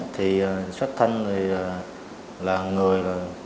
thì sách thanh là người